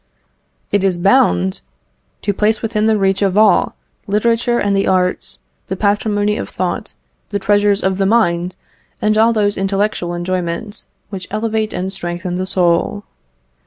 It is bound "To place within the reach of all, literature and the arts, the patrimony of thought, the treasures of the mind, and all those intellectual enjoyments which elevate and strengthen the soul."